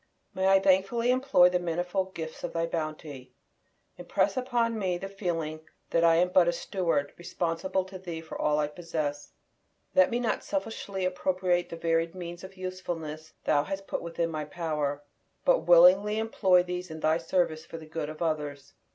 May I thankfully employ the manifold gifts of Thy bounty. Impress upon me the feeling that I am but a steward, responsible to Thee for all I possess. Let me not selfishly appropriate the varied means of usefulness thou hast put within my power, but willingly employ these in Thy service for the good of others.